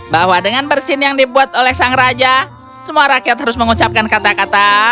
bahwa dengan bersin yang dibuat oleh sang raja semua rakyat harus mengucapkan kata kata